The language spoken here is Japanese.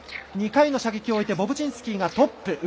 ２回の射撃を終えてボブチンスキーがトップ。